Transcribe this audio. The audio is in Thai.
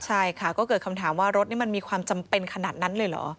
ใช่ค่ะก็เกิดคำถามว่ารถนี่มันมีความจำเป็นขนาดนั้นเลยเหรอ